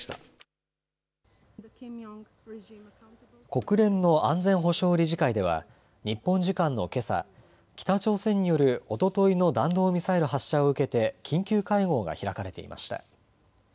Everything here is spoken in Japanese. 国連の安全保障理事会では日本時間のけさ、北朝鮮によるおとといの弾道ミサイル発射を受けて緊急会合が開かれていました。